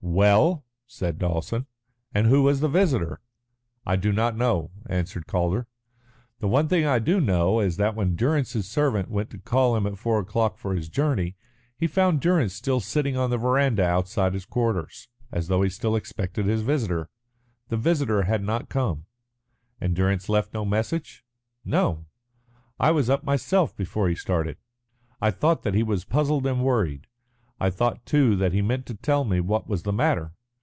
"Well!" said Dawson, "and who was the visitor?" "I do not know," answered Calder. "The one thing I do know is that when Durrance's servant went to call him at four o'clock for his journey, he found Durrance still sitting on the verandah outside his quarters, as though he still expected his visitor. The visitor had not come." "And Durrance left no message?" "No. I was up myself before he started. I thought that he was puzzled and worried. I thought, too, that he meant to tell me what was the matter.